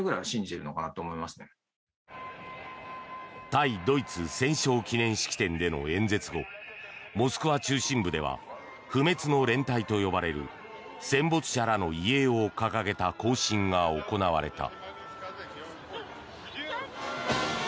対ドイツ戦勝記念式典での演説後モスクワ中心部では不滅の連隊と呼ばれる戦没者らの遺影を掲げた行進が行われた。